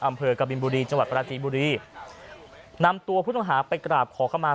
อำเภอกบินบุรีจังหวัดปราจีนบุรีนำตัวผู้ต้องหาไปกราบขอเข้ามา